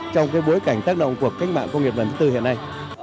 trong bối cảnh tác động cuộc cách mạng công nghiệp văn tư hiện nay